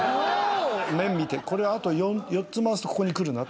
面見てこれあと４つ回すとここに来るな。